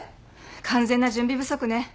完全な準備不足ね。